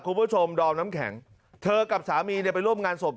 คุณผู้ชมดอมน้ำแข็งเธอกับสามีเนี่ยไปร่วมงานศพ